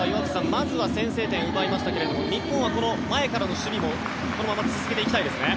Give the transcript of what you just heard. まずは先制点を奪いましたが日本は前からの守備もこのまま続けていきたいですね。